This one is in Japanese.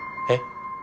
えっ？